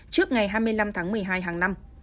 trước ngày hai mươi năm tháng một mươi hai hàng năm